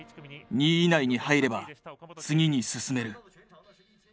２位以内に入れば次に進める。